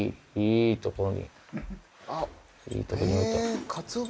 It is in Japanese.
いい所に置いた。